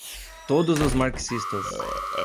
todos os marxistas